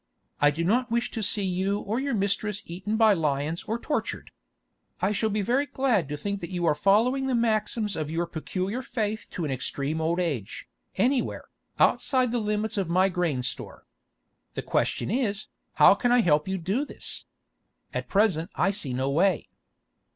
I do not wish to see you or your mistress eaten by lions or tortured. I shall be very glad to think that you are following the maxims of your peculiar faith to an extreme old age, anywhere, outside the limits of my grain store. The question is, how can I help you do this? At present I see no way."